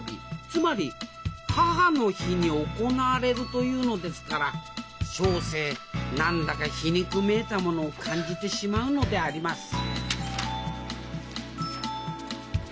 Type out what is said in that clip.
つまり母の日に行われるというのですから小生何だか皮肉めいたものを感じてしまうのであります